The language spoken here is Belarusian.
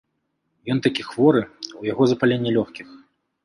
Ён такі хворы, у яго запаленне лёгкіх.